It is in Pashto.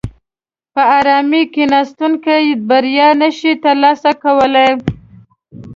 په ارامه کیناستونکي بریا نشي ترلاسه کولای.